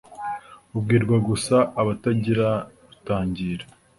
ubwirwa gusa abatagira rutangira